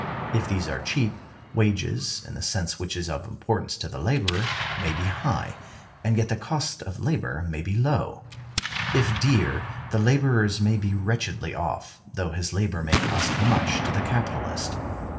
If these are cheap, wages, in the sense which is of importance to the laborer, may be high, and yet the cost of labor may be low; if dear, the laborer may be wretchedly off, though his labor may cost much to the capitalist.